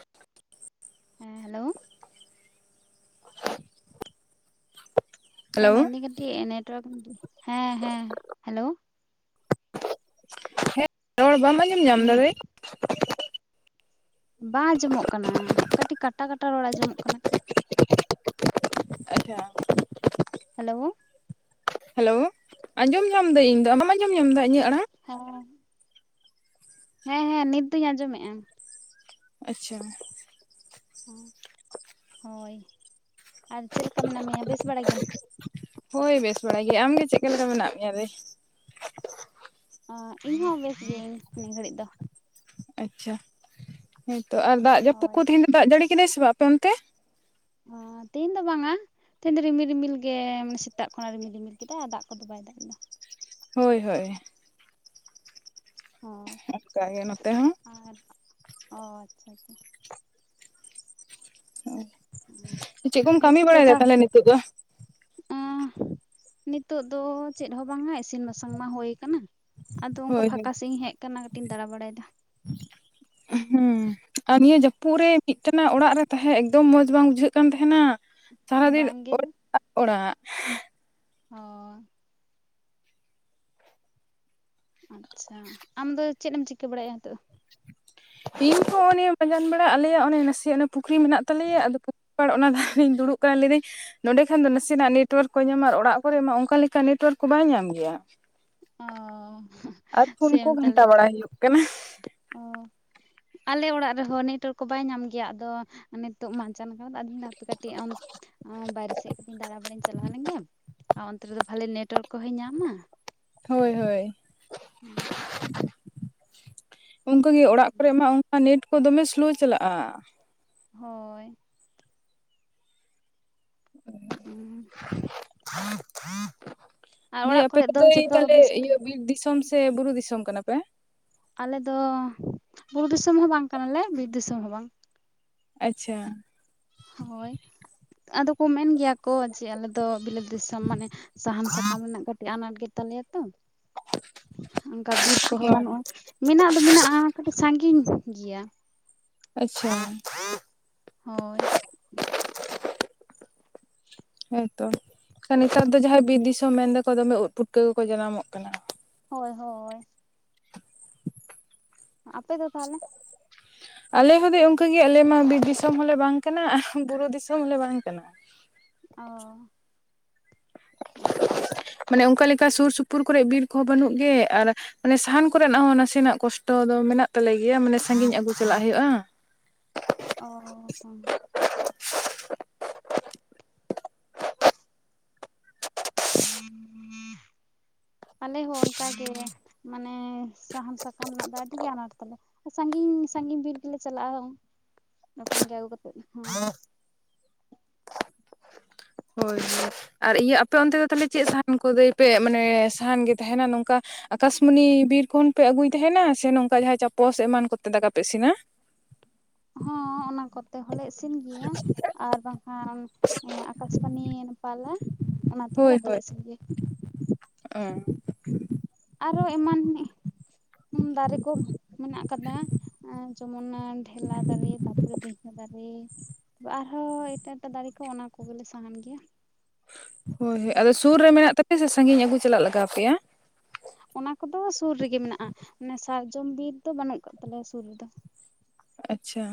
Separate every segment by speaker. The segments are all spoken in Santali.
Speaker 1: [inaudible] ᱦᱮᱸᱻ ᱦᱟᱞᱳ, ᱾ ᱦᱮᱸ
Speaker 2: ᱦᱮᱞᱳ
Speaker 1: ᱢᱮᱱᱫᱤᱧ ᱠᱟᱹᱴᱤᱡ, ᱱᱮᱴᱣᱟᱨᱠ ᱦᱮᱸ-ᱦᱮᱸ, ᱦᱮᱞᱳ ᱾
Speaker 2: ᱦᱮᱸ ᱨᱚᱲ ᱵᱟᱢ ᱟᱸᱡᱚᱢ ᱧᱟᱢ ᱫᱟ? ᱵᱤ [unintelligible]
Speaker 1: ᱵᱟᱝ ᱟᱸᱡᱚᱢᱚᱜ ᱠᱟᱱᱟ? ᱠᱟᱹᱴᱤᱡ, ᱠᱟᱴᱟ ᱠᱟᱴᱟ ᱨᱚᱲ ᱟᱸᱡᱚᱢᱚᱜ ᱠᱟᱱᱟ ᱾
Speaker 2: ᱟᱪᱷᱟ᱾ [unintelligible]
Speaker 1: ᱦᱮᱞᱳ ᱾
Speaker 2: ᱦᱮᱞᱳ, ᱟᱸᱡᱚᱢ ᱧᱟᱢ ᱫᱟᱹᱧ ᱤᱧ ᱫᱚ, ᱟᱢ, ᱵᱟᱢ ᱟᱸᱡᱚᱢ ᱧᱟᱢ ᱮᱫᱟ ᱤᱧᱟᱜ ᱟᱲᱟᱝ?
Speaker 1: ᱦᱚᱸᱻ᱾ ᱦᱮᱸ- ᱦᱮᱸ, ᱱᱤᱛ ᱫᱩᱧ ᱟᱸᱡᱚᱢᱮᱜᱼᱟ ᱾
Speaker 2: ᱟᱪᱪᱷᱟ ᱾
Speaker 1: ᱦᱚᱸ ᱦᱳᱭ, ᱟᱨ ᱪᱮᱫ ᱞᱮᱠᱟ ᱢᱮᱱᱟᱜ ᱢᱮᱭᱟ? ᱵᱮᱥ ᱵᱟᱲᱟ ᱜᱮᱭᱟᱢ?
Speaker 2: ᱦᱳᱭ, ᱵᱮᱥ ᱵᱟᱲᱟ ᱜᱮᱭᱟ ᱾ ᱟᱢᱜᱮ ᱪᱮᱠᱟ ᱞᱮᱠᱟ ᱢᱮᱱᱟᱜ ᱢᱮᱭᱟ? ᱨᱮ ᱾
Speaker 1: ᱳᱸ, ᱤᱧᱦᱚᱸ ᱵᱮᱥ ᱜᱤᱭᱟᱹᱧ ᱱᱤ, ᱜᱷᱟᱹᱲᱤᱡ ᱫᱚ ᱾
Speaker 2: ᱟᱪᱪᱷᱟ, ᱦᱳᱭᱛᱚ, ᱟᱨ ᱫᱟᱜ ᱡᱟᱯᱩᱫ
Speaker 1: ᱦᱳᱭ
Speaker 2: ᱠᱚ, ᱛᱮᱦᱮᱧ ᱫᱚ ᱫᱟᱜ ᱡᱟᱹᱲᱤ ᱠᱮᱫᱟᱭ ᱥᱮ ᱵᱟᱝ, ᱟᱯᱮ ᱚᱱᱛᱮ?
Speaker 1: ᱚᱻ, ᱛᱮᱦᱮᱧ ᱫᱚ ᱵᱟᱝᱟ ᱾ ᱛᱤᱦᱤᱧ ᱫᱚ, ᱨᱤᱢᱤᱞ ᱨᱤᱢᱤᱞ ᱜᱮ, ᱢᱟᱱᱮ ᱥᱮᱛᱟᱜ ᱠᱷᱚᱱᱟᱜ, ᱨᱤᱢᱤᱞ ᱨᱤᱢᱤᱞ ᱠᱮᱫᱟ, ᱫᱟᱜ ᱠᱚᱫᱚ ᱵᱟᱭ, ᱫᱟᱜ ᱞᱮᱜᱼᱟ ᱾
Speaker 2: ᱦᱳᱭ, ᱦᱳᱭ ᱾
Speaker 1: ᱦᱳᱭ
Speaker 2: ᱚᱱᱠᱟ ᱜᱮ, ᱱᱚᱛᱮ ᱦᱚᱸ ᱾
Speaker 1: ᱟᱨ, ᱾ ᱚᱼᱟᱪᱪᱷᱟ, ᱟᱪᱪᱷᱟ ᱾
Speaker 2: [unintelligible] ᱪᱮᱫ? ᱠᱚᱢ ᱠᱟᱹᱢᱤ ᱵᱟᱲᱟᱭᱮᱫᱟ ᱛᱟᱦᱞᱮ ᱱᱤᱛᱳᱜ ᱫᱚ ᱾
Speaker 1: ᱳᱸᱻ, ᱱᱤᱛᱳᱜ ᱫᱚ ᱪᱮᱫ ᱦᱚᱸ ᱵᱟᱝᱟ, ᱤᱥᱤᱱ ᱵᱟᱥᱟᱝ ᱢᱟ ᱦᱩᱭ ᱟᱠᱟᱱᱟ ᱾ ᱟᱫᱚ, ᱚᱝᱠᱟ
Speaker 2: ᱦᱳᱭ ᱦᱳᱭ
Speaker 1: ᱯᱷᱟᱸᱠᱟ ᱥᱮᱫ ᱤᱧ ᱦᱮᱡ ᱟᱠᱟᱱᱟ, ᱠᱟᱹᱴᱤᱡ ᱤᱧ ᱫᱟᱬᱟ ᱵᱟᱲᱟ ᱭᱮᱫᱟ ᱾
Speaker 2: ᱩᱜ-ᱦᱩᱸᱻ, ᱸ ᱟᱨ ᱱᱤᱭᱟᱹ ᱡᱟᱹᱯᱩᱫ ᱨᱮ ᱢᱤᱫ, ᱛᱟᱱᱟᱜ ᱚᱲᱟᱜ ᱨᱮ ᱛᱟᱦᱮᱸ ᱮᱠᱫᱚᱢ, ᱢᱚᱸᱡᱽ ᱵᱟᱝ ᱵᱩᱡᱷᱟᱹᱜ, ᱠᱟᱱ ᱛᱟᱦᱮᱸᱱᱟ ᱾ ᱥᱟᱨᱟ ᱫᱤᱱ
Speaker 1: ᱵᱟᱝᱜᱮ
Speaker 2: ᱚᱡ [unintelligible] ᱟ, ᱚᱲᱟᱜ, ᱦᱻᱟᱻ [inaudible]
Speaker 1: ᱦᱳᱻᱭ, ᱾ ᱟᱪᱪᱷᱟ, ᱟᱢᱫᱚ ᱪᱮᱫ? ᱮᱢ ᱪᱤᱠᱟᱹ ᱵᱟᱲᱟᱭᱮᱜᱼᱟ ᱱᱤᱛᱚᱜ?
Speaker 2: ᱤᱧ, ᱚᱻᱱᱮ [unintelligible] ᱢᱟᱡᱟᱱ ᱵᱟᱲᱟᱜ, ᱟᱞᱮᱭᱟᱜ ᱚᱱᱮ ᱱᱟᱥᱮᱭᱟᱜ ᱯᱩᱠᱷᱨᱤ ᱢᱮᱱᱟᱜ, ᱛᱟᱞᱮᱭᱟ ᱟᱫᱚ, ᱚᱱᱟ ᱫᱟᱜ ᱤᱧ [unintelligible] ᱫᱩᱲᱩᱵ ᱠᱟᱱᱟ ᱞᱟᱹᱭ ᱤᱫᱟᱹᱧ ᱱᱚᱰᱮ ᱠᱷᱟᱱ ᱫᱚ, ᱱᱟᱥᱮᱱᱟᱜ ᱱᱮᱴᱳᱣᱟᱨᱠ ᱠᱚᱭ ᱧᱟᱢᱟ, ᱟᱨ ᱚᱲᱟᱜ ᱠᱚᱨᱮ ᱢᱟ, ᱚᱱᱠᱟ ᱞᱮᱠᱟ ᱱᱮᱴᱣᱟᱨᱠ ᱠᱚ, ᱵᱟᱭ ᱧᱟᱢ ᱜᱮᱭᱟ
Speaker 1: ᱚ
Speaker 2: ᱾ ᱟᱨ ᱯᱷᱳᱱ ᱠᱚ, ᱜᱷᱟᱱᱴᱟ ᱵᱟᱲᱟ ᱦᱩᱭᱩᱜ ᱠᱟᱱᱟ ᱾
Speaker 1: ᱚᱼ, ᱟᱞᱮ ᱚᱲᱟᱜ ᱨᱮᱦᱚᱸ, ᱱᱮᱴᱚᱣᱟᱨᱠ ᱠᱚ, ᱵᱟᱭ ᱧᱟᱢ ᱜᱮᱭᱟ ᱾ ᱟᱫᱚ, ᱱᱤᱛᱚᱜ ᱢᱟᱡᱟᱱ ᱠᱟᱱᱟ, [unintelligible] ᱦᱟᱯᱮ ᱠᱟᱹᱴᱤᱡ ᱟᱱ ᱵᱟᱭᱨᱮ ᱥᱮᱫ ᱠᱟᱹᱴᱤᱡ ᱫᱟᱬᱟ ᱵᱟᱲᱟᱧ ᱪᱟᱞᱟᱣ ᱞᱮᱱᱜᱮ ᱾ ᱟᱨ ᱚᱱᱛᱮ ᱨᱮ ᱫᱚ, ᱵᱷᱟᱞᱮ ᱱᱮᱴᱳᱣᱟᱨᱠ ᱠᱚᱦᱚᱸᱭ ᱧᱟᱢᱟ ᱾
Speaker 2: ᱦᱳᱭ, ᱦᱳᱭ ᱾ [inaudible] [unintelligible] ᱚᱱᱠᱟ ᱜᱮ, ᱚᱲᱟᱜ ᱠᱚᱨᱮ ᱢᱟ, ᱚᱱᱠᱟ ᱱᱮᱴ ᱠᱚ, ᱫᱚᱢᱮ ᱥᱳᱞᱳ ᱪᱟᱞᱟᱜᱼᱟ ᱾
Speaker 1: ᱦᱳᱻᱭ, ᱾ ᱩᱸᱻ, ᱾
Speaker 2: [unintelligible]
Speaker 1: ᱟᱨ
Speaker 2: ᱫᱟᱹᱭ,
Speaker 1: ᱚᱲᱟᱜ
Speaker 2: ᱟᱯᱮ
Speaker 1: ᱠᱚᱨᱮ ᱫᱚ
Speaker 2: ᱠᱚᱫᱚ
Speaker 1: ᱡᱚᱛᱚ
Speaker 2: ᱛᱟᱦᱞᱮ
Speaker 1: ᱵᱮᱥ ᱵᱟᱲᱟ
Speaker 2: ᱤᱭᱟᱹ ᱵᱤᱨ ᱫᱤᱥᱚᱢ? ᱥᱮ, ᱵᱩᱨᱩ ᱫᱤᱥᱚᱢ ᱠᱟᱱᱟ ᱯᱮ?
Speaker 1: ᱟᱞᱮ ᱫᱚ, ᱵᱩᱨᱩ ᱫᱤᱥᱚᱢ ᱦᱚᱸ ᱵᱟᱝ ᱠᱟᱱᱟᱞᱮ, ᱵᱤᱨ ᱫᱤᱥᱚᱢ ᱦᱚᱸ ᱵᱟᱝ ᱾
Speaker 2: ᱟᱪᱪᱷᱟ, ᱾
Speaker 1: ᱦᱳᱭ, ᱟᱫᱚ ᱠᱚ, ᱢᱮᱱ ᱜᱮᱭᱟ ᱠᱚ, ᱡᱮ ᱟᱞᱮ ᱛᱚ ᱵᱤᱞᱟᱹᱛ ᱫᱤᱥᱚᱢ, ᱢᱟᱱᱮ ᱥᱟᱦᱟᱱ ᱥᱟᱠᱟᱢ ᱨᱮᱱᱟᱜ ᱠᱟᱹᱴᱤᱡ ᱟᱱᱟᱴ ᱜᱮ ᱛᱟᱞᱮᱭᱟ ᱛᱚ ᱾ ᱚᱱᱠᱟ ᱵᱤᱨ ᱠᱚᱦᱚᱸ
Speaker 2: ᱚ
Speaker 1: ᱵᱟᱹᱱᱩᱜᱼᱟ, ᱢᱮᱱᱟᱜ ᱫᱚ ᱢᱮᱱᱟᱜᱼᱟ ᱠᱟᱹᱴᱤᱡ ᱥᱟᱺᱜᱤᱧ ᱜᱮᱭᱟ᱾
Speaker 2: ᱟᱪᱪᱷᱟ᱾
Speaker 1: ᱦᱳᱭ᱾
Speaker 2: ᱦᱳᱭ ᱛᱚ᱾ ᱱᱮᱛᱟᱨ ᱫᱚ ᱡᱟᱦᱟᱸᱭ ᱵᱤᱨ ᱫᱤᱥᱚᱢ ᱢᱮᱱ ᱫᱟᱠᱚ ᱫᱚᱢᱮ ᱩᱫ ᱯᱩᱴᱠᱟᱹ ᱠᱚᱠᱚ ᱡᱟᱱᱟᱢᱚᱜ ᱠᱟᱱᱟ᱾
Speaker 1: ᱦᱳᱭ ᱦᱳᱭ᱾ ᱟᱯᱮ ᱫᱚ ᱛᱟᱦᱞᱮ?
Speaker 2: ᱟᱞᱮ ᱦᱚᱸ ᱫᱤ ᱚᱝᱠᱟᱜᱮ ᱟᱞᱮᱢᱟ ᱵᱤᱨ ᱫᱤᱥᱚᱢ ᱦᱚᱸᱞᱮ ᱵᱟᱝ ᱠᱟᱱᱟ ᱟᱨ ᱵᱩᱨᱩ ᱫᱤᱥᱚᱢ ᱦᱚᱸᱞᱮ ᱵᱟᱝ ᱠᱟᱱᱟ᱾
Speaker 1: ᱚ, ᱟᱪᱪᱷᱟ᱾
Speaker 2: ᱢᱟᱱᱮ ᱚᱱᱠᱟ ᱞᱮᱠᱟ ᱥᱩᱨ-ᱥᱩᱯᱩᱨ ᱠᱚᱨᱮᱫ ᱵᱤᱨ ᱠᱚᱦᱚᱸ ᱵᱟᱹᱱᱩᱜ ᱜᱮ ᱟᱨ ᱢᱟᱱᱮ ᱥᱟᱦᱟᱱ ᱠᱚᱨᱮᱱᱟᱜ ᱦᱚᱸ ᱱᱟᱥᱮᱱᱟᱜ ᱠᱚᱥᱴᱚ ᱫᱚ ᱢᱮᱱᱟᱜ ᱛᱟᱞᱮ ᱜᱮᱭᱟ ᱢᱟᱱᱮ ᱥᱟᱺᱜᱤᱧ ᱟᱹᱜᱩ ᱪᱟᱞᱟᱜ ᱦᱩᱭᱩᱜᱼᱟ᱾
Speaker 1: ᱚ, ᱚ᱾ ᱟᱞᱮ ᱦᱚᱸ ᱚᱱᱠᱟ ᱜᱮ᱾ ᱢᱟᱱᱮ ᱥᱟᱦᱟᱱ ᱥᱟᱠᱟᱢ ᱨᱮᱱᱟᱜ ᱫᱚ ᱟᱰᱤ ᱜᱮ ᱟᱱᱟᱴ ᱛᱟᱞᱮ᱾ ᱥᱟᱺᱜᱤᱧ ᱥᱟᱺᱜᱤᱧ ᱵᱤᱨ ᱜᱮᱞᱮ ᱪᱟᱞᱟᱜᱼᱟ ᱛᱚᱠᱷᱚᱱ ᱜᱮ ᱟᱹᱜᱩ ᱠᱟᱛᱮᱫ ᱦᱮᱸ
Speaker 2: ᱦᱳᱭ ᱦᱳᱭ ᱟᱨ ᱤᱭᱟᱹ ᱟᱯᱮ ᱚᱱᱛᱮ ᱫᱚ ᱛᱟᱦᱞᱮ ᱪᱮᱫ ᱥᱟᱦᱟᱱ ᱠᱚᱜᱮᱭ ᱯᱮ ᱢᱟᱱᱮ ᱥᱟᱦᱟᱱ ᱜᱮ ᱛᱟᱦᱮᱱᱟ ᱱᱚᱝᱠᱟ? ᱟᱠᱟᱥᱢᱚᱱᱤ ᱵᱤᱨ ᱠᱷᱚᱱ ᱯᱮ ᱟᱹᱜᱩᱭ ᱛᱟᱦᱮᱱᱟ, ᱥᱮ ᱱᱚᱝᱠᱟ ᱡᱟᱦᱟᱸᱭ ᱪᱟᱯᱚᱥ ᱮᱢᱟᱱ ᱠᱚᱛᱮ ᱫᱟᱠᱟ ᱯᱮ ᱤᱥᱤᱱᱟ?
Speaker 1: ᱦᱚᱸ ᱚᱱᱟ ᱠᱚᱛᱮ ᱦᱚᱸᱞᱮ ᱤᱥᱤᱱ ᱜᱮᱭᱟ ᱟᱨ ᱵᱟᱝᱠᱷᱟᱱ ᱮᱸᱜ ᱟᱠᱟᱥᱢᱟᱱᱤ [unintelligible]
Speaker 2: ᱦᱳᱭ ᱦᱳᱭ, ᱚ᱾
Speaker 1: ᱟᱨᱚ ᱮᱢᱟᱱ ᱫᱟᱨᱮ ᱠᱚ ᱢᱮᱱᱟᱜ ᱠᱟᱫᱟ᱾ ᱚ, ᱡᱮᱢᱚᱱ ᱚᱱᱟ ᱰᱷᱮᱞᱟ ᱫᱟᱨᱮ, ᱛᱟᱨᱯᱚᱨᱮ ᱫᱟᱹᱭᱦᱟᱹ ᱫᱟᱨᱮ᱾ ᱟᱨᱦᱚᱸ ᱮᱴᱟᱜ ᱮᱴᱟᱜ ᱫᱟᱨᱮ ᱠᱚ ᱚᱱᱟ ᱠᱚᱜᱮᱞᱮ ᱥᱟᱦᱟᱱ ᱜᱮᱭᱟ᱾
Speaker 2: ᱦᱳᱭ ᱦᱳᱭ ᱟᱫᱚ ᱥᱩᱨ ᱨᱮ ᱢᱮᱱᱟᱜ ᱛᱟᱯᱮᱭᱟ ᱥᱮ ᱥᱟᱺᱜᱤᱧ ᱟᱹᱜᱩ ᱪᱟᱞᱟᱜ ᱞᱟᱜᱟᱣ ᱯᱮᱭᱟ?
Speaker 1: ᱚᱱᱟ ᱠᱚᱫᱚ ᱥᱩᱨ ᱨᱮᱜᱮ ᱢᱮᱱᱟᱜᱼᱟ, ᱢᱟᱱᱮ ᱥᱟᱨᱡᱚᱢ ᱵᱤᱨ ᱫᱚ ᱵᱟᱹᱱᱩᱜ ᱟᱠᱟᱫ ᱛᱟᱞᱮᱭᱟ ᱥᱩᱨ ᱨᱮᱫᱚ᱾
Speaker 2: ᱟᱪᱪᱷᱟ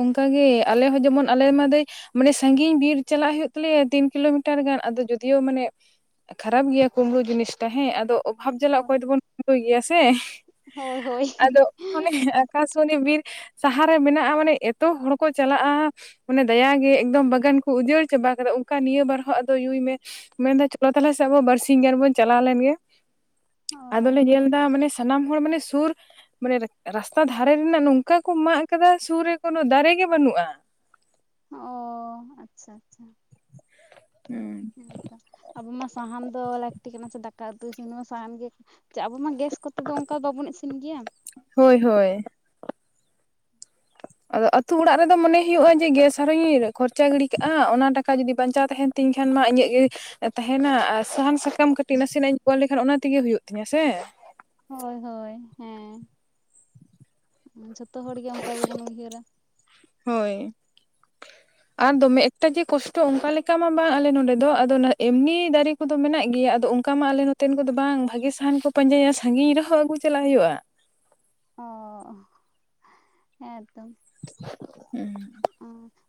Speaker 2: ᱚᱱᱠᱟᱜᱮ ᱟᱞᱮ ᱦᱚᱸ ᱡᱮᱢᱚᱱ ᱟᱞᱮ ᱱᱚᱸᱰᱮ ᱢᱟᱱᱮ ᱥᱟᱺᱜᱤᱧ ᱵᱤᱨ ᱪᱟᱞᱟᱜ ᱦᱩᱭᱩᱜ ᱛᱟᱞᱮᱭᱟ ᱛᱤᱱ ᱠᱤᱞᱳᱢᱤᱴᱟᱨ ᱜᱟᱱ, ᱟᱫᱚ ᱡᱳᱫᱤᱭᱳ ᱢᱟᱱᱮ ᱠᱷᱟᱨᱟᱯ ᱜᱮᱭᱟ ᱠᱩᱢᱲᱩ ᱡᱤᱱᱤᱥᱴᱟ ᱦᱮᱸ, ᱟᱫᱚ ᱚᱵᱷᱟᱵ ᱡᱟᱞᱟ
Speaker 1: ᱦᱳᱭ
Speaker 2: ᱚᱠᱚᱭ ᱫᱚᱵᱚᱱ ᱠᱩᱢᱲᱩᱭ ᱜᱮᱭᱟ ᱥᱮ᱾
Speaker 1: ᱦᱳᱭ ᱦᱳᱭ
Speaker 2: ᱟᱫᱚ ᱚᱱᱮ ᱟᱠᱟᱥᱢᱚᱱᱤ ᱵᱤᱨ ᱡᱟᱸᱦᱟᱨᱮ ᱢᱮᱱᱟᱜᱼᱟ, ᱢᱟᱱᱮ ᱮᱛᱚ ᱦᱚᱲ ᱠᱚ ᱪᱟᱞᱟᱜᱼᱟ᱾ ᱚᱱᱮ ᱫᱟᱭᱟ ᱜᱮ ᱮᱠᱫᱚᱢ ᱵᱟᱜᱟᱱ ᱠᱚ ᱩᱡᱟᱹᱲ ᱪᱟᱵᱟ ᱠᱟᱫᱟ᱾ ᱚᱱᱠᱟ ᱱᱤᱭᱟᱹ ᱵᱟᱨ ᱦᱚᱸ ᱟᱫᱚ ᱧᱩᱭ ᱢᱮ᱾ ᱢᱮᱱᱮᱫ ᱪᱚᱞᱚ ᱛᱟᱦᱞᱮ ᱥᱮ ᱟᱵᱚ ᱦᱚᱸ ᱵᱟᱨᱥᱤᱧ ᱜᱟᱱ ᱵᱚᱱ ᱪᱟᱞᱟᱣ ᱞᱮᱱ ᱜᱮ᱾
Speaker 1: ᱚ
Speaker 2: ᱟᱫᱚᱞᱮ ᱧᱮᱞᱫᱟ ᱢᱟᱱᱮ ᱥᱟᱱᱟᱢ ᱦᱚᱲ ᱢᱟᱱᱮ ᱥᱩᱨ ᱢᱟᱱᱮ ᱨᱟᱥᱛᱟ ᱫᱷᱟ ᱫᱷᱟᱨᱮ ᱨᱮᱱᱟᱜ ᱱᱚᱝᱠᱟ ᱠᱚ ᱢᱟᱜ ᱟᱠᱟᱫᱟ ᱥᱩᱨ ᱨᱮ ᱠᱳᱱᱚ ᱫᱟᱨᱮᱜ ᱜᱮ ᱵᱟᱹᱱᱩᱜᱼᱟ᱾
Speaker 1: ᱚ ᱟᱪᱪᱷᱟ ᱟᱪᱪᱷᱟ᱾
Speaker 2: ᱦᱩᱸ
Speaker 1: ᱦᱮᱸᱛᱚ, ᱟᱵᱚ ᱢᱟ ᱥᱟᱦᱟᱱ ᱫᱚ ᱞᱟᱹᱠᱛᱤ ᱠᱟᱱᱟ ᱥᱮ ᱫᱟᱠᱟ ᱩᱛᱩ ᱤᱥᱤᱱ ᱢᱟ ᱥᱟᱦᱟᱱ ᱜᱮ ᱪᱟᱜ ᱟᱵᱚ ᱢᱟ ᱜᱮᱥ ᱠᱚᱛᱮ ᱫᱚ ᱚᱱᱠᱟ ᱵᱟᱵᱚᱱ ᱤᱥᱤᱱ ᱜᱮᱭᱟ᱾
Speaker 2: ᱦᱳᱭ ᱦᱳᱭ᱾ ᱟᱫᱚ ᱟᱛᱩ ᱚᱲᱟᱜ ᱨᱮᱫᱚ ᱢᱚᱱᱮ ᱦᱩᱭᱩᱜᱼᱟ ᱡᱮ ᱜᱮᱥ ᱟᱨᱦᱚᱧ ᱠᱷᱚᱨᱪᱟ ᱜᱤᱰᱤ ᱠᱟᱜᱼᱟ, ᱚᱱᱟ ᱴᱟᱠᱟ ᱡᱩᱫᱤ ᱵᱟᱧᱪᱟᱣ ᱛᱟᱦᱮᱱᱟ ᱛᱤᱧ ᱠᱷᱟᱱ ᱢᱟ ᱤᱧᱟᱹᱜ ᱜᱮ ᱛᱟᱦᱮᱱᱟ᱾ ᱟᱨ ᱥᱟᱦᱟᱱ ᱥᱟ ᱠᱟᱢ ᱠᱟᱹᱴᱤᱡ ᱱᱟᱥᱮᱱᱟᱜ ᱤᱧ ᱯᱚᱱ ᱞᱮᱠᱷᱟᱱ ᱚᱱᱟ ᱛᱮᱜᱮ ᱦᱳᱭᱳᱜ ᱛᱤᱧᱟᱹ ᱥᱮ᱾
Speaker 1: ᱦᱳᱭ ᱦᱳᱭ ᱦᱮᱸ, ᱡᱷᱚᱛᱚ ᱦᱚᱲ ᱜᱮ ᱚᱱᱠᱟ ᱜᱮᱵᱚᱱ ᱩᱭᱦᱟᱹᱨᱟ᱾
Speaker 2: ᱦᱳᱭ
Speaker 1: [inaudible]
Speaker 2: ᱟᱨ ᱫᱚᱢᱮ ᱮᱠᱴᱟ ᱡᱮ ᱠᱚᱥᱴᱚ ᱚᱱᱠᱟ ᱞᱮᱠᱟ ᱢᱟ ᱵᱟᱝ ᱟᱞᱮ ᱱᱚᱰᱮ ᱫᱚ᱾ ᱟᱫᱚ ᱚᱱᱟ ᱮᱢᱱᱤ ᱫᱟᱨᱮ ᱠᱚᱫᱚ ᱢᱮᱱᱟᱜ ᱜᱮᱭᱟ, ᱟᱫᱚ ᱚᱱᱠᱟ ᱢᱟ ᱟᱞᱮ ᱱᱚᱛᱮᱱ ᱠᱚᱫᱚ ᱵᱟᱝ, ᱵᱷᱟᱹᱜᱮ ᱥᱟᱦᱟᱱ ᱠᱚ ᱯᱟᱸᱡᱟᱭᱟ ᱥᱟᱺᱜᱤᱧ ᱨᱮᱦᱚᱸ ᱟᱹᱜᱩ ᱪᱟᱞᱟᱜ ᱦᱳᱭᱳᱜᱼᱟ᱾
Speaker 1: ᱚ, ᱦᱮᱸᱛᱚ᱾
Speaker 2: ᱦᱩᱸ᱾
Speaker 1: ᱚ,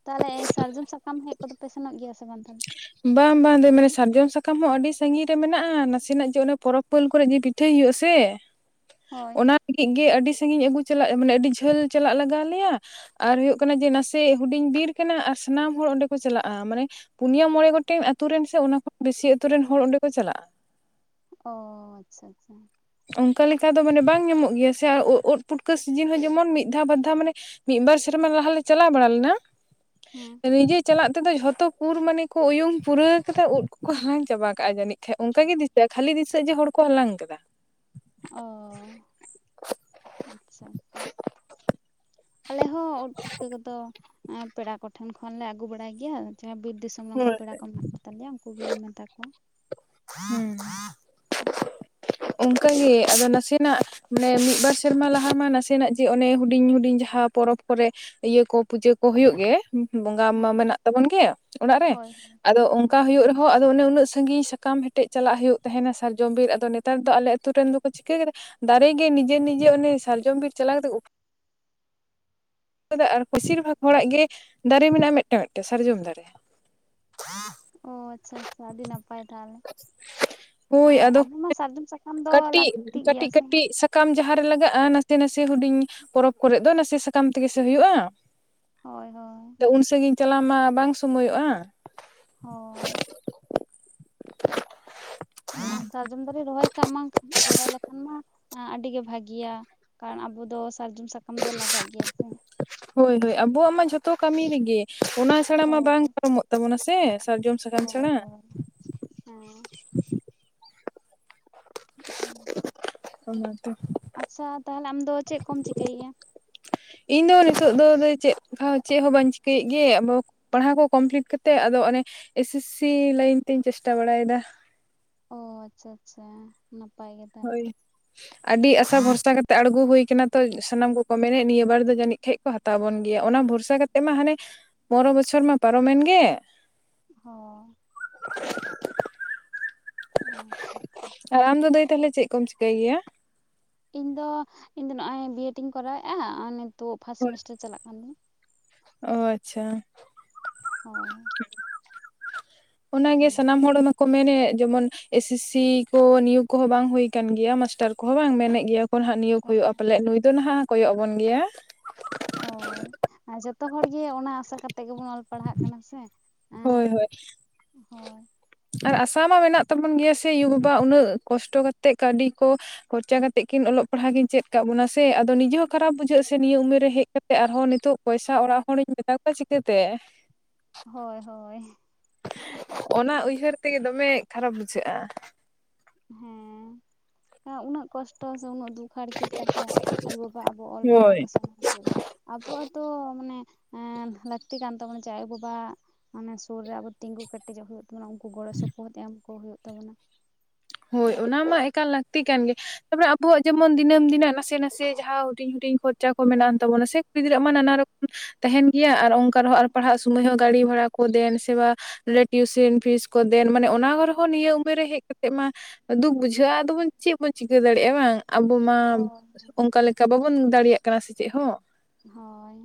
Speaker 1: ᱛᱟᱦᱞᱮ ᱥᱟᱨᱡᱚᱢ ᱥᱟᱠᱟᱢ ᱦᱮᱡ ᱠᱚᱫᱚᱯᱮ ᱥᱮᱱᱚᱜ ᱜᱮᱭᱟ ᱥᱮ ᱵᱟᱝ ᱛᱟᱦᱞᱮ?
Speaker 2: ᱵᱟᱝ ᱵᱟᱝ ᱫᱚ ᱢᱟᱱᱮ ᱥᱟᱨᱡᱚᱢ ᱥᱟᱠᱟᱢ ᱦᱚᱸ ᱟᱹᱰᱤ ᱥᱟᱺᱜᱤᱧ ᱨᱮ ᱢᱮᱱᱟᱜᱼᱟ, ᱱᱟᱥᱮᱱᱟᱜ ᱡᱮ ᱚᱱᱮ ᱯᱚᱨᱚᱵᱽ ᱩᱯᱟᱹᱞ ᱠᱚᱨᱮ ᱡᱮ ᱯᱤᱴᱷᱟᱹᱭ ᱦᱩᱭᱩᱜᱼᱟ ᱥᱮ
Speaker 1: ᱦᱳᱭ
Speaker 2: ᱚᱱᱟ ᱞᱟᱹᱜᱤᱫ ᱜᱮ, ᱟᱹᱰᱤ ᱥᱟᱺᱜᱤᱧ ᱟᱹᱜᱩ ᱪᱟᱞᱟᱜ ᱢᱟᱱᱮ ᱟᱹᱰᱤ ᱡᱷᱟᱹᱞ ᱪᱟᱞᱟᱜ ᱞᱟᱜᱟᱣ ᱟᱞᱮᱭᱟ᱾ ᱟᱨ ᱦᱩᱭᱩᱜ ᱠᱟᱱᱟ ᱡᱮ ᱱᱟᱥᱮ ᱦᱩᱰᱤᱧ ᱵᱤᱨ ᱠᱟᱱᱟ ᱟᱨ ᱥᱟᱱᱟᱢ ᱦᱚᱲ ᱚᱸᱰᱮ ᱠᱚ ᱪᱟᱞᱟᱜᱼᱟ᱾ ᱢᱟᱱᱮ ᱯᱩᱱᱭᱟᱟᱹ ᱢᱚᱬᱮ ᱜᱚᱴᱮᱱ ᱟᱛᱩ ᱨᱮᱱ ᱥᱮ ᱚᱱᱟ ᱠᱷᱚᱱ ᱵᱮᱥᱤ ᱟᱛᱩ ᱨᱮᱱ ᱦᱚᱲ ᱚᱸᱰᱮ ᱠᱚ ᱪᱟᱞᱟᱜᱼᱟ᱾
Speaker 1: ᱚᱻ ᱟᱪᱷᱟ ᱟᱪᱷᱟ᱾
Speaker 2: ᱚᱱᱠᱟ ᱞᱮᱠᱟ ᱫᱚ ᱢᱟᱱᱮ ᱵᱟᱝ ᱧᱟᱢᱚᱜ ᱜᱮᱭᱟ ᱥᱮ, ᱳ ᱳᱫ ᱯᱩᱴᱠᱟᱹ ᱥᱤᱡᱤᱱ ᱦᱚᱸ ᱡᱮᱢᱚᱱ ᱢᱤᱫ ᱫᱷᱟᱣ ᱵᱟᱨ ᱫᱷᱟᱣ ᱢᱟᱱᱮ ᱢᱤᱫ ᱵᱟᱨ ᱥᱮᱨᱢᱟ ᱞᱟᱦᱟᱞᱮ ᱪᱟᱞᱟᱣ ᱵᱟᱲᱟ ᱞᱮᱱᱟ᱾
Speaker 1: ᱦᱮᱸ
Speaker 2: ᱱᱤᱡᱮ ᱪᱟᱞᱟᱜ ᱛᱮᱫᱚ ᱡᱷᱚᱛᱚ ᱠᱩᱨ ᱢᱟᱱᱮ ᱠᱚ ᱩᱭᱩᱢ ᱯᱩᱨᱟᱹᱣ ᱠᱟᱫᱟ ᱳᱫ ᱠᱚᱠᱚ ᱦᱟᱞᱟᱝ ᱪᱟᱵᱟ᱾ ᱠᱟᱜᱼᱟ ᱡᱟᱹᱱᱤᱡ ᱠᱷᱟᱱ, ᱚᱱᱠᱟ ᱜᱮ ᱫᱤᱥᱟᱹᱜᱼᱟ ᱠᱷᱟᱹᱞᱤ ᱫᱤᱥᱟᱹᱜᱼᱟ ᱡᱮ ᱦᱚᱲ ᱠᱚ ᱦᱟᱞᱟᱝ ᱠᱟᱫᱟ᱾
Speaker 1: ᱚ ᱟᱪᱷᱟ ᱟᱪᱷᱟ ᱟᱞᱮ ᱦᱚ ᱩᱫ ᱯᱩᱴᱠᱟᱹ ᱠᱚᱫᱚ ᱯᱮᱲᱟ ᱠᱚᱴᱷᱮᱱ ᱠᱷᱚᱱᱞᱮ ᱟᱹᱜᱩ ᱵᱟᱲᱟᱭ ᱜᱮᱭᱟ ᱡᱟᱷᱟ ᱵᱤᱨ ᱫᱤᱥᱚᱢ᱾ ᱚᱱᱮ ᱚᱱᱠᱟ
Speaker 2: ᱦᱳᱭ
Speaker 1: ᱯᱮᱲᱟ ᱠᱚ ᱢᱮᱱᱟᱜ ᱠᱚ ᱛᱟᱞᱮᱭᱟ ᱩᱱᱠᱩ ᱜᱮ ᱢᱮᱛᱟ ᱠᱚᱣᱟ᱾
Speaker 2: ᱦᱩᱸ ᱚᱱᱠᱟᱜᱮ ᱟᱫᱚ ᱱᱟᱥᱮᱱᱟᱜ ᱢᱟᱱᱮ ᱢᱤᱫᱵᱟᱨ ᱥᱮᱨᱢᱟ ᱞᱟᱦᱟ ᱢᱟ ᱱᱟᱥᱮᱱᱟᱜ ᱡᱮ ᱚᱱᱮ ᱦᱩᱰᱤᱧ ᱦᱩᱰᱤᱧ ᱡᱟᱦᱟᱸ ᱯᱚᱨᱚᱵᱽ ᱠᱚᱨᱮ ᱤᱭᱟᱹ ᱠᱚ ᱯᱩᱡᱟᱹ ᱠᱚ ᱦᱩᱭᱩᱜ ᱜᱮ ᱵᱚᱸᱜᱟ ᱢᱟ
Speaker 1: ᱦᱮᱸ
Speaker 2: ᱢᱮᱱᱟᱜ ᱛᱟᱵᱚᱱ ᱜᱮ ᱚᱲᱟᱜ ᱨᱮ
Speaker 1: ᱦᱳᱭ ᱦᱳᱭ
Speaker 2: ᱟᱫᱚ
Speaker 1: ᱦᱮᱸ
Speaker 2: ᱚᱱᱠᱟ ᱦᱳᱭᱳᱜ ᱨᱮᱦᱚᱸ ᱟᱫᱚ ᱚᱱᱮ ᱩᱱᱟᱹᱜ ᱥᱟᱺᱜᱤᱧ ᱥᱟᱠᱟᱢ ᱦᱮᱴᱮᱡ ᱪᱟᱞᱟᱜ ᱦᱩᱭᱩᱜ ᱛᱟᱸᱦᱮᱱᱟ ᱥᱟᱨᱡᱚᱢ ᱵᱤᱨ ᱟᱫᱚ ᱱᱮ ᱛᱟᱨ ᱫᱚ ᱟᱞᱮ ᱟᱹᱛᱩ ᱨᱮᱱ ᱫᱚᱠᱚ ᱪᱤᱠᱟᱹ ᱠᱮᱫᱟ ᱫᱟᱨᱮ ᱜᱮ ᱱᱤᱡᱮ ᱱᱤᱡᱮ ᱚᱱᱮ ᱥᱟᱨᱡᱚᱢ ᱵᱤᱨ ᱪᱟᱞᱟᱣ ᱠᱟᱛᱮ ᱩᱯᱷ ᱟᱨ ᱯᱳᱥᱤᱨ ᱵᱷᱟᱜᱽ ᱦᱚᱲᱟᱜ ᱜᱮ ᱫᱟᱨᱮ ᱢᱮᱱᱟᱜᱼᱟ ᱢᱮᱫᱴᱟᱝ ᱢᱮᱫᱴᱮᱱ ᱥᱟᱨᱡᱚᱢ ᱫᱟᱨᱮ
Speaker 1: ᱚ ᱟᱪᱷᱟ ᱟᱪᱷᱟ ᱟᱹᱰᱤ ᱱᱟᱯᱟᱭ ᱛᱟᱦᱞᱮ
Speaker 2: ᱦᱳᱭ
Speaker 1: ᱟᱨ
Speaker 2: ᱟᱫᱚ
Speaker 1: ᱟᱵᱩ ᱢᱟ ᱥᱟᱨᱡᱚᱢ ᱥᱟᱠᱟᱢ ᱫᱚ ᱞᱟᱹᱠᱛᱤᱜ ᱜᱮᱭᱟ ᱥᱮ
Speaker 2: ᱠᱟᱢ ᱡᱟᱦᱟᱸ ᱨᱮ ᱞᱟᱜᱟᱜᱼᱟ ᱱᱟᱥᱮ ᱱᱟᱥᱮ ᱦᱩᱰᱤᱧ ᱯᱚᱨᱚᱵᱽ ᱠᱚᱨᱮᱜ ᱫᱚ ᱱᱟᱥᱮ ᱥᱟᱠᱟᱢ ᱛᱮᱸᱜᱮ ᱥᱮ ᱦᱩᱭᱩᱜᱼᱟ
Speaker 1: ᱦᱳᱭ ᱦᱳᱭ
Speaker 2: ᱛᱚ ᱩᱱ ᱥᱟᱺᱜᱤᱧ ᱪᱟᱞᱟᱣ ᱢᱟ ᱵᱟᱝ ᱥᱚᱢᱚᱭᱚᱜᱼᱟ
Speaker 1: ᱦᱳᱭ
Speaker 2: [inaudible]
Speaker 1: ᱟᱨ ᱥᱟᱨᱡᱚᱢ ᱫᱟᱨᱮ ᱨᱚᱦᱚᱭ ᱠᱟᱜ ᱢᱟ ᱨᱚᱦᱚᱭ ᱞᱮᱠᱷᱟᱱ ᱢᱟ ᱟᱹᱰᱤ ᱜᱮ ᱵᱷᱟᱜᱤᱭᱟ ᱠᱟᱨᱚᱱ ᱟᱵᱚ ᱫᱚ ᱥᱟᱨᱡᱚᱢ ᱥᱟᱠᱟᱢ ᱫᱚ ᱞᱟᱜᱟᱜ ᱜᱤᱭᱟ ᱥᱮ
Speaker 2: ᱦᱳᱭ ᱦᱳᱭ ᱟᱵᱚᱣᱟᱜ ᱢᱟ ᱡᱷᱚᱛᱚ ᱠᱟᱹᱢᱤ ᱨᱤᱜᱮ ᱚᱱᱟ ᱪᱷᱟᱲᱟ ᱢᱟ ᱵᱟᱝ
Speaker 1: ᱦᱳᱭ
Speaker 2: ᱯᱟᱨᱚᱢᱚᱜ ᱛᱟᱸᱵᱚᱱᱟ ᱥᱮ ᱥᱟᱨᱡᱚᱢ ᱥᱟᱠᱟᱢ ᱪᱷᱟᱲᱟ
Speaker 1: ᱦᱳᱭ ᱦᱳᱭ ᱦᱮᱸ ᱦᱩᱸ
Speaker 2: ᱚᱱᱟ ᱜᱮ
Speaker 1: ᱟᱪᱷᱟ ᱛᱟᱦᱞᱮ ᱟᱢ ᱫᱚ ᱪᱮᱫ ᱠᱚᱢ ᱪᱤᱠᱟᱹᱭ ᱜᱮᱭᱟ?
Speaker 2: ᱤᱧ ᱫᱚ ᱱᱤᱛᱚᱜ ᱫᱚ ᱪᱮᱫ ᱦᱚᱸ ᱪᱮᱫ ᱦᱚᱸ ᱵᱟᱹᱧ ᱪᱤᱠᱟᱹᱭᱮᱫ ᱜᱮ ᱟᱵᱚ᱾ ᱯᱟᱲᱦᱟᱣ ᱠᱚ ᱠᱚᱢᱯᱞᱤᱴ ᱠᱟᱛᱮᱫ ᱟᱫᱚ ᱚᱱᱮ ᱮᱥ ᱥᱤ ᱥᱤ ᱞᱟᱹᱭᱤᱱ ᱛᱤᱧ ᱪᱮᱥᱴᱟ ᱵᱟᱲᱟᱭᱮᱫᱟ
Speaker 1: ᱚ ᱟᱪᱷᱟ ᱟᱪᱷᱟ ᱱᱟᱯᱟᱭ ᱜᱮ ᱛᱟᱦᱚᱞᱮ
Speaker 2: ᱦᱳᱭ ᱟᱹᱰᱤ ᱟᱥᱟ ᱵᱷᱚᱨᱥᱟ ᱠᱟᱛᱮ ᱟᱬᱜᱩ ᱦᱩᱭ ᱠᱟᱱᱟ ᱛᱚ ᱥᱟᱱᱟᱢ ᱠᱚᱠᱚ ᱢᱮᱱᱮᱫ ᱱᱤᱭᱟᱹ ᱵᱟᱨ ᱫᱚ ᱡᱟᱹᱱᱤᱡ ᱠᱷᱟᱡ ᱠᱚ ᱦᱟᱛᱟᱣ ᱵᱚᱱ ᱜᱮᱭᱟ ᱚᱱᱟ ᱵᱷᱚᱨᱥᱟ ᱠᱟᱛᱮᱜ ᱢᱟ ᱦᱟᱱᱮ ᱯᱚᱨᱚ ᱵᱚᱪᱷᱚᱨ ᱢᱟ ᱯᱟᱨᱚᱢᱮᱱ ᱜᱮ
Speaker 1: ᱦᱚᱸ ᱦᱚᱸ ᱟᱪᱷᱟ ᱟᱪᱷᱟ
Speaker 2: ᱟᱨ ᱟᱢᱫᱚ ᱫᱟᱹᱭ ᱛᱟᱦᱞᱮ ᱪᱮᱫ ᱠᱚᱢ ᱪᱤᱠᱟᱹᱭ ᱜᱤᱭᱟ?
Speaker 1: ᱤᱧ ᱫᱚ ᱤᱧ ᱫᱚ ᱱᱚᱜᱚᱭ ᱵᱤᱮᱰ ᱤᱧ ᱠᱚᱨᱟᱣᱮᱜᱼᱟ ᱟᱨ ᱱᱤᱛᱚᱜ ᱯᱷᱟᱥᱴ ᱥᱮᱢᱤᱥᱴᱟᱨ ᱪᱟᱞᱟᱜ ᱠᱟᱱ ᱛᱤᱧ
Speaker 2: ᱚ ᱟᱪᱷᱟ
Speaker 1: ᱦᱳᱭ
Speaker 2: ᱚᱱᱟᱜᱮ
Speaker 1: ᱚᱱᱛᱮ
Speaker 2: ᱥᱟᱱᱟᱢ ᱦᱚᱲ ᱠᱚ ᱢᱮᱱᱮᱫ ᱡᱮᱢᱚᱱ ᱮᱥ ᱥᱤᱥᱤ ᱠᱚ ᱱᱤᱭᱩᱜ ᱠᱚᱦᱚᱸ ᱵᱟᱝ ᱦᱩᱭ ᱠᱟᱱ ᱜᱮᱭᱟ ᱢᱟᱥᱴᱟᱨ ᱠᱚᱦᱚᱸ ᱵᱟᱝ ᱢᱮᱱᱮᱫ ᱜᱮᱭᱟ ᱠᱚ ᱱᱟᱦᱟᱜ ᱱᱤᱭᱳᱜ ᱦᱳᱭᱳᱜᱼᱟ, ᱯᱟᱞᱮᱫ ᱱᱩᱭ ᱫᱚ ᱱᱟᱦᱟᱜ ᱠᱚᱭᱚᱜ ᱟᱵᱚᱱ ᱜᱮᱭᱟ᱾
Speaker 1: ᱦᱳᱭ ᱟᱨ ᱡᱚᱛᱚ ᱦᱚᱲᱜᱤ ᱚᱱᱟ ᱟᱥᱟ ᱠᱟᱛᱮ ᱜᱮᱵᱚᱱ ᱚᱞ ᱯᱟᱲᱦᱟᱜ ᱠᱟᱱᱟ ᱥᱮ᱾
Speaker 2: ᱦᱳᱭ ᱦᱳᱭ
Speaker 1: ᱦᱚᱭ
Speaker 2: ᱟᱨ ᱟᱥᱟ ᱢᱟ ᱢᱮᱱᱟᱜ ᱛᱟᱵᱚᱱ ᱜᱮᱭᱟ ᱥᱮ ᱤᱭᱩ ᱵᱟᱵᱟ ᱟᱜ ᱩᱱᱟᱹᱜ ᱠᱚᱥᱴᱚ ᱠᱟᱛᱮ ᱠᱟᱹᱣᱰᱤ ᱠᱚ ᱠᱷᱚᱨᱪᱟ ᱠᱟᱛᱮᱜ ᱠᱤᱱ ᱚᱞᱚᱜ ᱯᱟᱲᱦᱟ ᱠᱤᱱ ᱪᱮᱫ ᱠᱟᱜ ᱵᱚᱱᱟ ᱥᱮ ᱟᱫᱚ ᱱᱤᱡᱮ ᱦᱚᱸ ᱠᱷᱟᱨᱟᱯ ᱵᱩᱡᱷᱟᱹᱜᱼᱟ ᱥᱮ ᱱᱤᱭᱟᱹ ᱩᱢᱮᱨ ᱨᱮ ᱦᱮᱡ ᱠᱟᱛᱮᱫ ᱟᱨᱦᱚᱸ ᱱᱤᱛᱚᱜ ᱯᱚᱭᱥᱟ ᱚᱲᱟᱜ ᱦᱚᱲᱤᱧ ᱢᱮᱛᱟ ᱠᱚᱣᱟ ᱪᱤᱠᱟᱹᱛᱮ᱾
Speaker 1: ᱦᱳᱭ ᱦᱳᱭ
Speaker 2: ᱚᱱᱟ ᱩᱭᱦᱟᱹᱨ ᱛᱮ ᱫᱚᱢᱮ ᱠᱷᱟᱨᱟᱯ ᱵᱩᱡᱷᱟᱹᱜᱼᱟ᱾
Speaker 1: ᱦᱮᱸ ᱩᱱᱟᱹᱜ ᱠᱚᱥᱴᱚ ᱥᱮ ᱩᱱᱟᱹᱜ ᱫᱩᱠ ᱦᱟᱲᱠᱮᱛ ᱠᱟᱛᱮ᱾ ᱟᱭᱳ ᱵᱟᱵᱟ ᱟᱵᱚ ᱚᱞ ᱯᱟᱲᱦᱟᱣ
Speaker 2: ᱦᱳᱭ
Speaker 1: ᱠᱚ ᱥᱮᱲᱟ ᱦᱚᱪᱚᱭᱮᱫ ᱵᱚᱱᱟ᱾ ᱟᱵᱚᱣᱟᱜ ᱦᱚᱛᱚ ᱢᱟᱱᱮ ᱮᱸ ᱞᱟᱹᱠᱛᱤ ᱠᱟᱱ ᱛᱟᱵᱚᱱᱟ ᱡᱮ ᱟᱭᱳ ᱵᱟᱵᱟ᱾ ᱢᱟᱱᱮ ᱥᱩᱨ ᱨᱮ ᱟᱵᱚ ᱛᱤᱸᱜᱩ ᱠᱮᱴᱮᱡᱚᱜ ᱦᱩᱭᱩᱜ ᱛᱟᱵᱚᱱᱟ ᱩᱝᱠᱩ ᱜᱚᱲᱚ ᱥᱚᱯᱚᱦᱚᱫ ᱮᱢ ᱠᱚ ᱦᱩᱭᱩᱜ ᱛᱟᱵᱚᱱᱟ᱾
Speaker 2: ᱦᱳᱭ ᱚᱱᱟ ᱢᱟ ᱮᱠᱟᱞ ᱞᱟᱠᱛᱤ ᱠᱟᱱ ᱜᱮ᱾ ᱛᱟᱯᱚᱨᱮ ᱟᱵᱚᱣᱟᱜ ᱡᱮᱢᱚᱱ ᱫᱤᱱᱟᱹᱢ ᱫᱤᱱᱟᱜ ᱱᱟᱥᱮ - ᱱᱟᱥᱮ ᱡᱟᱸᱦᱟᱸ ᱦᱩᱰᱤᱧ ᱦᱩᱰᱤᱧ ᱠᱷᱚᱨᱪᱟ ᱠᱚ ᱢᱮᱱᱟᱜ ᱟᱱ ᱛᱟᱵᱚᱱᱟ ᱥᱮ ᱠᱩᱲᱤ ᱜᱤᱫᱽᱨᱟᱹ ᱢᱟ ᱱᱟᱱᱟ ᱨᱚᱠᱚᱢ
Speaker 1: [inaudible]
Speaker 2: ᱛᱟᱦᱮᱱ ᱜᱮᱭᱟ ᱟᱨ ᱚᱝᱠᱟ ᱨᱮᱸᱦᱚᱸ ᱟᱨ
Speaker 1: ᱦᱳᱭ
Speaker 2: ᱯᱟᱲᱦᱟᱜ ᱥᱩᱢᱟᱹᱭ ᱦᱚᱸ ᱜᱟᱰᱤ ᱵᱷᱟᱲᱟ ᱠᱚ ᱫᱮᱱ ᱥᱮ ᱵᱟ ᱴᱤᱭᱩᱥᱮᱱ ᱯᱷᱤᱥ ᱠᱚ ᱫᱮᱱ, ᱢᱟᱱᱮ ᱚᱱᱟ ᱠᱚᱸᱦᱚᱸ ᱱᱤᱭᱟᱹ ᱩᱢᱮᱨ ᱨᱮ ᱦᱮᱡ ᱢᱟ ᱫᱩᱠ ᱵᱩᱡᱷᱟᱹᱜᱼᱟ ᱾ ᱟᱫᱚ ᱵᱚᱱ ᱪᱮᱫ ᱵᱚᱱ ᱪᱤᱠᱟᱹ ᱫᱟᱲᱮᱭᱟᱜᱼᱟ ᱵᱟᱝ ᱟᱵᱚ ᱢᱟ
Speaker 1: ᱦᱳᱭ
Speaker 2: ᱚᱝᱠᱟ ᱞᱮᱠᱟ ᱠᱟ ᱵᱟᱵᱚᱱ ᱫᱟᱲᱮᱭᱟᱜ ᱠᱟᱱᱟ ᱥᱮ ᱪᱮᱜ ᱦᱚᱸ᱾
Speaker 1: ᱦᱚᱭ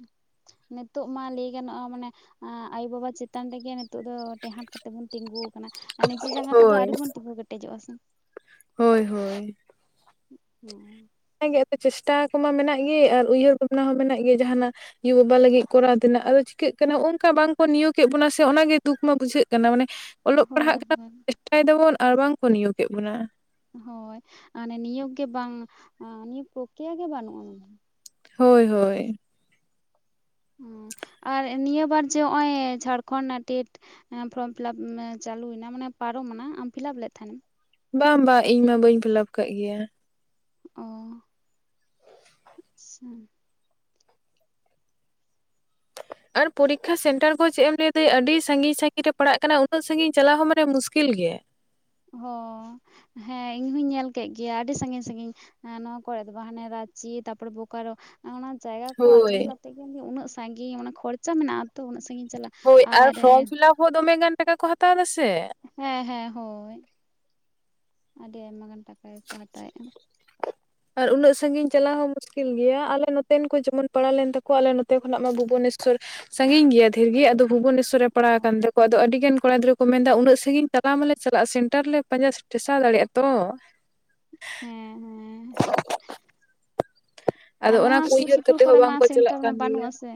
Speaker 1: ᱱᱤᱛᱚᱜ ᱢᱟ ᱞᱟᱹᱭ ᱜᱟᱱᱚᱜᱼᱟ ᱢᱟᱱᱮ ᱟᱭᱳ ᱵᱟᱵᱟ ᱪᱮᱛᱟᱱ ᱨᱮᱜᱮ ᱱᱤᱛᱚᱜ ᱫᱚ ᱴᱮᱦᱟᱸᱴ ᱠᱟᱛᱮ ᱵᱚᱱ ᱛᱮᱸᱜᱩ ᱟᱨ ᱱᱤᱡᱮ ᱡᱟᱸᱜᱟᱸ ᱛᱮᱫᱚ
Speaker 2: ᱦᱳᱭ
Speaker 1: ᱟᱣᱨᱤ ᱵᱚᱱ ᱛᱤᱸᱜᱩ ᱠᱮᱴᱮᱡᱚᱜᱼᱟ ᱥᱮ᱾
Speaker 2: ᱦᱳᱭ ᱦᱳᱭ
Speaker 1: ᱦᱮᱸ [inaudible]
Speaker 2: ᱚᱱᱟᱜᱮ ᱟᱫᱚ ᱪᱮᱥᱴᱟ ᱠᱚᱢᱟ ᱢᱮᱱᱟᱜ ᱜᱤ ᱟᱨ ᱩᱭᱦᱟᱹᱨ ᱵᱷᱟᱵᱽᱱᱟ ᱦᱚᱸ ᱢᱮᱱᱟᱜ ᱜᱤ ᱡᱟᱸᱦᱟᱸᱱᱟᱜ ᱭᱩ ᱵᱟᱵᱟ ᱞᱟᱹᱜᱤᱫ ᱠᱚᱨᱟᱣ ᱛᱮᱱᱟᱜ ᱟᱫᱚ ᱪᱤᱠᱟᱹᱜ ᱠᱟᱱᱟ, ᱚᱝᱠᱟ ᱵᱟᱝᱠᱚ ᱱᱤᱭᱳᱜ ᱮᱫ ᱵᱚᱱᱟ, ᱥᱮ ᱚᱱᱟᱜᱮ ᱫᱩᱠ ᱢᱟ ᱵᱩᱡᱷᱟᱹᱜ ᱠᱟᱱᱟ ᱢᱟᱱᱮ ᱚᱞᱚᱜ ᱯᱟᱲᱦᱟᱜ
Speaker 1: ᱦᱳᱭ
Speaker 2: ᱠᱟᱱᱟ ᱪᱮᱥᱴᱟᱭ ᱫᱟᱵᱚᱱ ᱟᱨ ᱵᱟᱝ ᱠᱚ ᱱᱤᱭᱳᱜ ᱮᱫ ᱵᱚᱱᱟ᱾
Speaker 1: ᱦᱳᱭ ᱟᱱᱮ ᱱᱤᱭᱚᱜ ᱜᱮ ᱵᱟᱝ ᱱᱤᱭᱚᱜ ᱯᱨᱚᱠᱨᱤᱭᱟ ᱜᱮ ᱵᱟᱱᱩᱜᱼᱟ᱾
Speaker 2: ᱦᱳᱭ ᱦᱳᱭ
Speaker 1: ᱟᱨ ᱱᱤᱭᱟᱹ ᱵᱟᱨ ᱡᱮ ᱦᱸᱚᱜᱼᱚᱭ ᱡᱷᱟᱲᱠᱷᱚᱱ ᱱᱟᱜ ᱴᱮᱴ ᱮᱸᱻ ᱯᱷᱨᱚᱢ ᱯᱷᱤᱞᱟᱯ ᱪᱟᱞᱩᱭᱱᱟ ᱢᱟᱱᱮ ᱯᱟᱨᱚᱢᱱᱟ, ᱟᱢ ᱯᱷᱤᱞᱟᱯ ᱞᱮᱫ ᱛᱟᱸᱦᱮᱸ ᱱᱟᱢ?
Speaker 2: ᱵᱟᱝ ᱵᱟ ᱤᱧ ᱢᱟ ᱵᱟᱹᱧ ᱯᱷᱤᱞᱟᱯ ᱠᱟᱜ ᱜᱮᱭᱟ᱾
Speaker 1: ᱚᱻ ᱟᱪᱪᱷᱟ
Speaker 2: ᱟᱨ ᱯᱚᱨᱤᱠᱷᱟ ᱥᱮᱱᱴᱟᱨ ᱠᱚ ᱪᱮᱫ ᱮᱢ ᱞᱟᱹᱭ ᱫᱟᱹᱭ, ᱟᱰᱤ ᱥᱟᱺᱜᱤᱧ-ᱥᱟᱺᱜᱤᱧ ᱨᱮ ᱯᱟᱲᱟᱜ ᱠᱟᱱᱟ ᱩᱱᱟᱹᱜ ᱥᱟᱺᱜᱤᱧ ᱪᱟᱞᱟᱣ ᱦᱚᱸ ᱢᱟᱱᱮ ᱢᱩᱥᱠᱤᱞ ᱜᱮ᱾
Speaker 1: ᱦᱚᱸ ᱦᱮᱸ ᱤᱧᱦᱩᱧ ᱧᱮᱞ ᱠᱮᱜ ᱜᱮᱭᱟ ᱟᱰᱤ ᱥᱟᱺᱜᱤᱧ - ᱥᱟᱺᱜᱤᱧ ᱱᱚᱣᱟ ᱠᱚᱨᱮ ᱫᱚ ᱵᱟᱝ ᱦᱟᱱᱮ ᱨᱟᱪᱤ ᱛᱟᱨᱯᱚᱨ ᱵᱳᱠᱟᱨᱳ ᱚᱱᱟ ᱡᱟᱭᱜᱟ ᱠᱚ
Speaker 2: ᱦᱳᱭ
Speaker 1: ᱟᱸᱡᱚᱢ ᱠᱟᱛᱮ ᱜᱮ ᱩᱱᱟᱹᱜ ᱥᱟᱺᱜᱤᱧ ᱢᱟᱱᱮ ᱠᱷᱚᱨᱪᱟ ᱢᱮᱱᱟᱜ ᱛᱚ, ᱩᱱᱟᱹᱜ ᱥᱟᱺᱜᱤᱧ ᱪᱟᱞᱟᱜ
Speaker 2: ᱦᱳᱭ ᱟᱨ ᱯᱷᱨᱚᱢ ᱯᱷᱤᱞᱟᱯ ᱦᱚᱸ ᱫᱚᱢᱮ ᱜᱟᱱ ᱴᱟᱠᱟ ᱠᱚ ᱦᱟᱛᱟᱣ ᱫᱟᱥᱮ᱾
Speaker 1: ᱦᱮᱸ ᱦᱮᱸ ᱦᱳᱭ ᱟᱰᱤ ᱟᱭᱢᱟ ᱜᱟᱱ ᱴᱟᱠᱟ ᱜᱮᱠᱚ ᱦᱟᱛᱟᱣᱮᱜᱼᱟ᱾
Speaker 2: ᱟᱨ ᱩᱱᱟᱹᱜ ᱥᱟᱺᱜᱤᱧ ᱪᱟᱞᱟᱣ ᱦᱚᱸ ᱠᱤᱞ ᱜᱮᱭᱟ ᱟᱞᱮ ᱱᱚᱛᱮᱱ ᱠᱚ ᱡᱮᱢᱚᱱ ᱯᱟᱲᱟᱣ ᱞᱮᱱ ᱛᱟᱠᱚᱣᱟ, ᱟᱞᱮ ᱱᱚᱛᱮ ᱠᱷᱚᱱᱟᱜ ᱢᱟ ᱵᱷᱩᱵᱚᱱᱮᱥᱥᱚᱨ ᱥᱟᱺᱜᱤᱧ ᱜᱮᱭᱟ ᱫᱷᱤᱨ ᱜᱤ ᱟᱫᱚ ᱵᱷᱩᱵᱚᱱᱮᱥᱥᱚᱨ ᱨᱮ ᱯᱟᱲᱟᱣ ᱠᱟᱱ ᱫᱚ ᱠᱚ ᱟᱫᱚ ᱟᱹᱰᱤᱜᱟᱱ ᱠᱚᱲᱟ ᱜᱤᱫᱽᱨᱟᱹ ᱠᱚ ᱢᱮᱱ ᱫᱟ ᱩᱱᱟᱹᱜ ᱥᱟᱺᱜᱤᱧ ᱪᱟᱞᱟᱣ ᱢᱟᱞᱮ ᱪᱟᱞᱟᱜᱼᱟ, ᱥᱮᱱᱴᱟᱨ ᱞᱮ ᱯᱟᱸᱡᱟ ᱴᱷᱮᱥᱟᱣ ᱫᱟᱲᱮᱭᱟᱜᱼᱟ ᱛᱚ᱾
Speaker 1: ᱦᱮᱸ - ᱦᱮᱸ
Speaker 2: ᱟᱫᱚ
Speaker 1: ᱟᱨ
Speaker 2: ᱚᱱᱟ
Speaker 1: ᱱᱚᱣᱟ
Speaker 2: ᱠᱚ
Speaker 1: ᱥᱩᱨ
Speaker 2: ᱩᱭᱦᱟᱹᱨ
Speaker 1: ᱥᱩᱯᱩᱨ
Speaker 2: ᱠᱟᱛᱮ ᱦᱚᱸ
Speaker 1: ᱠᱚᱨᱮ ᱢᱟ
Speaker 2: ᱵᱟᱝᱠᱚ ᱪᱟᱞᱟᱜ
Speaker 1: ᱥᱮᱱᱴᱟᱨ ᱢᱟ
Speaker 2: ᱠᱟᱱ ᱜᱮᱭᱟ
Speaker 1: ᱵᱟᱱᱩᱜᱼᱟ ᱥᱮ,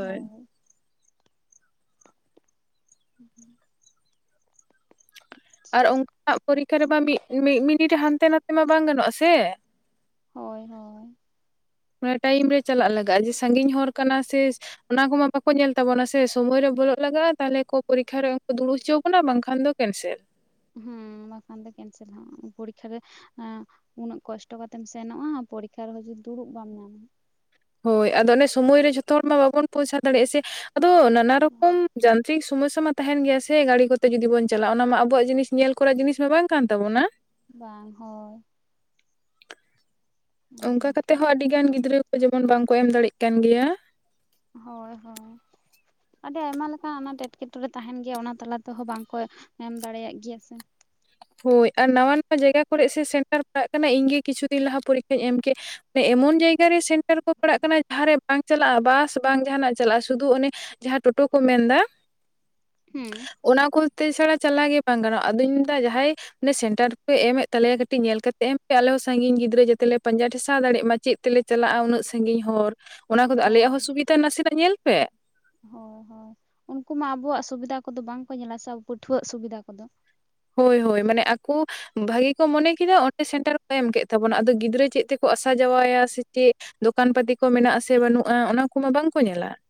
Speaker 1: ᱦᱳᱭ᱾ [inaudible]
Speaker 2: ᱟᱨ ᱚᱝᱠᱟᱱᱟᱜ ᱯᱚᱨᱤᱠᱷᱟ ᱨᱮᱢᱟ ᱢᱤᱫ ᱢᱤᱫ ᱢᱤᱱᱤᱴ ᱦᱟᱱᱛᱮ ᱱᱟᱛᱮ ᱢᱟ ᱵᱟᱝ ᱜᱟᱱᱚᱜᱼᱟ ᱥᱮ᱾
Speaker 1: ᱦᱚᱭ ᱦᱚᱭ
Speaker 2: ᱢᱟᱱᱮ ᱴᱟᱭᱤᱢ ᱨᱮ ᱪᱟᱞᱟᱜ ᱞᱟᱜᱟᱜᱼᱟ, ᱡᱮ ᱥᱟᱺᱜᱤᱧ ᱦᱚᱨ ᱠᱟᱱᱟ ᱥᱮ ᱚᱱᱟ ᱠᱚᱢᱟ ᱵᱟᱠᱚ ᱧᱮᱞ ᱛᱟᱵᱚᱱᱟ ᱥᱮ ᱥᱚᱢᱚᱭ ᱨᱮ ᱵᱚᱞᱚᱜ ᱞᱟᱜᱟᱜᱼᱟ, ᱛᱟᱦᱚᱞᱮ ᱠᱚ ᱯᱚᱨᱤᱠᱠᱷᱟ ᱨᱮᱠᱚ ᱫᱩᱲᱩᱵ ᱦᱚᱪᱚᱣᱟ ᱵᱚᱱᱟ ᱵᱟᱝᱠᱷᱟᱱ ᱫᱚᱼᱼ ᱠᱮᱱᱥᱮᱞ ᱾
Speaker 1: ᱦᱩᱸ, ᱵᱟᱠᱷᱟᱱ ᱫᱚ ᱠᱮᱱᱥᱮᱞ ᱟᱸ ᱦᱚᱸ ᱯᱚᱨᱤᱠᱠᱷᱟ ᱨᱮᱼᱼ ᱩᱱᱟᱹᱜ ᱠᱚᱥᱴᱚ ᱠᱟᱛᱮᱢ ᱥᱮᱱᱚᱜᱼᱟ ᱯᱚᱨᱤᱠᱠᱷᱟ ᱨᱮᱸᱦᱚᱸ ᱡᱩᱫᱤ ᱫᱩᱲᱩᱵ ᱵᱟᱢ ᱧᱟᱢᱟᱼᱼ
Speaker 2: ᱦᱳᱭ ᱟᱫᱚ ᱚᱱᱮ ᱥᱚᱢᱚᱭ ᱨᱮ ᱡᱷᱚᱛᱚ ᱦᱚᱲ ᱢᱟ ᱵᱟᱵᱚᱱ ᱯᱨᱚᱥᱟᱨ ᱫᱟᱲᱮᱭᱟᱜᱼᱟ ᱥᱮ, ᱟᱫᱚ ᱱᱟᱱᱟ ᱨᱚᱠᱚᱢᱼᱼ ᱡᱟᱱᱛᱨᱤᱠ ᱥᱚᱢᱚᱥᱥᱭᱟ ᱢᱟ ᱛᱟᱸᱦᱮᱱ ᱜᱮᱭᱟ ᱥᱮ ᱜᱟᱹᱲᱤ ᱠᱚᱛᱮ ᱡᱩᱫᱤ ᱵᱚᱱ ᱪᱟᱞᱟᱜᱼᱟ ᱚᱱᱟ ᱢᱟ ᱟᱵᱚᱣᱟᱜ ᱡᱤᱱᱤᱥ ᱧᱮᱞ ᱠᱚᱨᱟ ᱡᱤᱱᱤᱥ ᱢᱟ ᱵᱟᱝ ᱠᱟᱱ ᱛᱟᱵᱚᱱᱟ ᱾
Speaker 1: ᱵᱟᱝ, ᱦᱚᱭᱼᱼ
Speaker 2: ᱚᱱᱠᱟ ᱠᱟᱛᱮ ᱦᱚᱸ ᱟᱹᱰᱤ ᱜᱟᱱ ᱜᱤᱫᱽᱨᱟᱹ ᱠᱚ ᱡᱮᱢᱚᱱ ᱵᱟᱝᱠᱚ ᱮᱢ ᱫᱟᱲᱮᱜ ᱠᱟᱱ ᱜᱮᱭᱟ ᱾
Speaker 1: ᱦᱚᱭ ᱦᱚᱭ, ᱟᱹᱰᱤ ᱟᱭᱢᱟ ᱞᱮᱠᱟᱱ ᱟᱱᱟᱴ ᱮᱴᱠᱮᱴᱚᱬᱮ ᱛᱟᱸᱦᱮᱱ ᱜᱮᱭᱟ ᱚᱱᱟ ᱛᱟᱞᱟ ᱛᱮᱦᱚᱸ ᱵᱟᱝᱠᱚᱼᱼ ᱮᱢ ᱫᱟᱲᱮᱭᱟᱜ ᱜᱮᱭᱟ ᱥᱮ ᱾
Speaker 2: ᱦᱳᱭ ᱟᱨ ᱱᱟᱣᱟ ᱱᱟᱣᱟ ᱡᱟᱭᱜᱟ ᱠᱚᱨᱮ ᱥᱮ ᱥᱮᱱᱴᱟᱨ ᱯᱟᱲᱟᱜ ᱠᱟᱱᱟ, ᱤᱧ ᱜᱮ ᱠᱤᱪᱷᱩ ᱫᱤᱱ ᱞᱟᱦᱟ ᱯᱚᱨᱤᱠᱠᱷᱟᱧ ᱮᱢ ᱠᱮᱫᱼᱼ ᱮᱢᱚᱱ ᱡᱟᱭᱜᱟᱨᱮ ᱥᱮᱱᱴᱟᱨ ᱠᱚ ᱯᱟᱲᱟᱜ ᱠᱟᱱᱟ ᱡᱟᱸᱦᱟᱸᱨᱮ ᱵᱟᱝ ᱪᱟᱞᱟᱜᱼᱟ ᱵᱟᱥ, ᱵᱟᱝ ᱡᱟᱸᱦᱟᱱᱟᱜ ᱪᱟᱞᱟᱜᱼᱟ, ᱥᱩᱫᱩ ᱚᱱᱮᱼᱼ ᱡᱟᱦᱟᱸ ᱴᱳᱴᱳ ᱠᱚ ᱢᱮᱱᱫᱟ ᱾
Speaker 1: ᱦᱩᱸ ᱾
Speaker 2: ᱚᱱᱟ ᱠᱚᱞᱛᱮ ᱪᱷᱟᱲᱟ ᱪᱟᱞᱟᱣ ᱜᱮ ᱵᱟᱝ ᱜᱟᱱᱚᱜᱼᱟ, ᱟᱫᱚᱧ ᱢᱮᱱᱫᱟ ᱡᱟᱦᱟᱸᱭᱼᱼ ᱚᱱᱮ ᱥᱮᱱᱴᱟᱨ ᱯᱮ ᱮᱢᱮᱫ ᱛᱟᱞᱮᱭᱟ ᱠᱟᱹᱴᱤᱡ ᱧᱮᱞ ᱠᱟᱛᱮᱫ ᱮᱢ ᱯᱮ ᱟᱞᱮ ᱦᱚᱸ ᱥᱟᱺᱜᱤᱧ ᱜᱤᱫᱽᱨᱟᱹ ᱡᱟᱛᱮ ᱞᱮ ᱯᱟᱸᱡᱟ ᱴᱷᱮᱥᱟᱣ ᱫᱟᱲᱮᱜ ᱢᱟ ᱪᱮᱫᱼᱼ ᱪᱤᱠᱟᱹ ᱛᱮᱞᱮ ᱪᱟᱞᱟᱜᱼᱟ ᱩᱱᱟᱹᱜ ᱥᱟᱺᱜᱤᱧ ᱦᱚᱨ, ᱚᱱᱟ ᱠᱚᱫᱚ ᱟᱞᱮᱭᱟᱜ
Speaker 1: ᱦᱳᱭ
Speaker 2: ᱦᱚᱸ ᱥᱩᱵᱤᱫᱟ ᱱᱟᱥᱮᱭᱟᱜ ᱧᱮᱞ ᱯᱮ ᱾
Speaker 1: ᱦᱳᱭ ᱦᱳᱭ, ᱩᱱᱠᱩ ᱢᱟ ᱟᱵᱚᱣᱟᱜ ᱥᱩᱵᱤᱫᱷᱟ ᱠᱚᱫᱚ ᱵᱟᱝᱠᱚ ᱧᱮᱞᱟ ᱥᱮ ᱯᱟᱹᱴᱷᱩᱣᱟᱹᱣᱟᱜ ᱥᱩᱵᱤᱫᱷᱟ ᱠᱚᱫᱚᱼᱼ
Speaker 2: ᱦᱳᱭ ᱦᱳᱭ ᱢᱟᱱᱮ ᱟᱠᱚᱼᱼ ᱵᱷᱟᱜᱤ ᱠᱚ ᱢᱚᱱᱮ ᱠᱮᱫᱟ ᱚᱸᱰᱮ ᱥᱮᱱᱴᱟᱨ ᱠᱚ ᱮᱢ ᱠᱮᱫ ᱛᱟᱵᱚᱱᱟ, ᱟᱫᱚ ᱜᱤᱫᱽᱨᱟᱹ ᱪᱮᱫ ᱛᱮᱠᱚ ᱟᱥᱟ ᱡᱟᱣᱟᱭᱟ ᱥᱮ ᱪᱮᱫᱼᱼ ᱫᱚᱠᱟᱱ ᱯᱟᱹᱛᱤ ᱠᱚ ᱢᱮᱱᱟᱜ ᱟᱥᱮ ᱵᱟᱹᱱᱩᱜᱼᱟ, ᱚᱱᱟ ᱠᱚᱢᱟ ᱵᱟᱝᱠᱚ ᱧᱮᱞᱟ ᱾